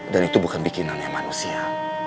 dan itu bukan bikinannya manusia